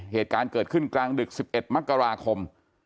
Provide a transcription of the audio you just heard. เหตุการณ์เกิดขึ้นกลางดึก๑๑มกราคม